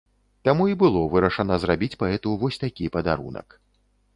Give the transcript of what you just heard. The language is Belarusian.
Таму і было вырашана зрабіць паэту вось такі падарунак.